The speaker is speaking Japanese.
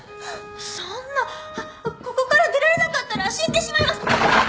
そんなここから出られなかったら死んでしまいます！